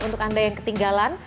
untuk anda yang ketinggalan